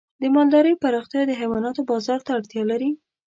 د مالدارۍ پراختیا د حیواناتو بازار ته اړتیا لري.